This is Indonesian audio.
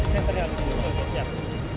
hari melayu hari melayu